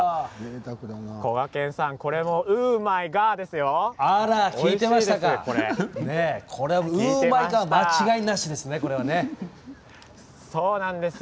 こがけんさんこれはウーマイガー！ですよ。